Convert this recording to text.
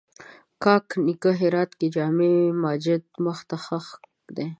کاک نیکه هرات کښې جامع ماجت مخ ته ښخ دی